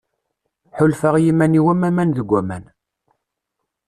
Ḥulfaɣ i yiman-iw am waman deg waman.